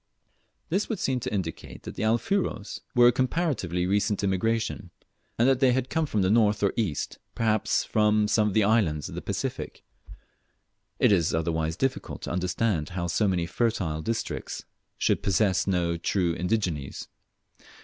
This would seem to indicate that the Alfuros were a comparatively recent immigration, and that they lead come from the north or east, perhaps from some of the islands of the Pacific. It is otherwise difficult to understand how so many fertile districts should possess no true indigenes.